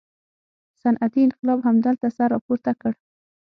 صنعتي انقلاب همدلته سر راپورته کړ.